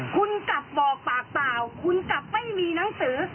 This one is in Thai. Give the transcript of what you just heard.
คุณกลับบอกปากเปล่าคุณกลับไม่มีหนังสือ